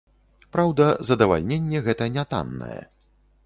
Праўда, задавальненне гэта нятаннае.